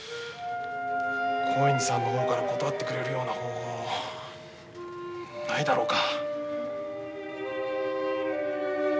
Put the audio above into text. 興園寺さんの方から断ってくれるような方法ないだろうか。